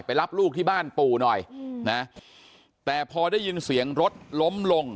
รับลูกที่บ้านปู่หน่อยนะแต่พอได้ยินเสียงรถล้มลง